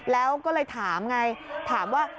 แล้วก็เลยถามไงถามว่า